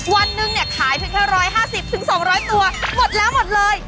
วันหนึ่งเนี่ยขายเพียงแค่๑๕๐๒๐๐ตัวหมดแล้วหมดเลย